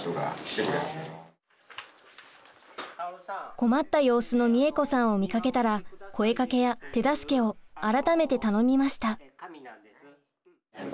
困った様子のみえ子さんを見かけたら声かけや手助けを改めて頼みました。